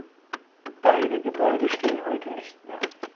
Beide Gebäude stehen heute nicht mehr.